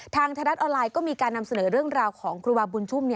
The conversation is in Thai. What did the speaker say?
ไทยรัฐออนไลน์ก็มีการนำเสนอเรื่องราวของครูบาบุญชุ่ม